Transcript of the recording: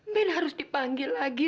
ben harus dipanggil lagi